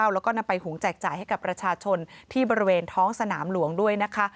แล้วก็นำไปหุงแจกจ่ายให้กับประชาชนที่บริเวณท้องสนามหลวงด้วยนะคะ